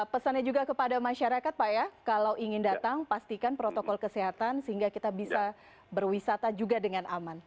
pesannya juga kepada masyarakat pak ya kalau ingin datang pastikan protokol kesehatan sehingga kita bisa berwisata juga dengan aman